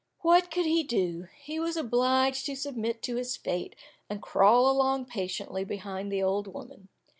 What could he do? He was obliged to submit to his fate, and crawl along patiently behind the old woman.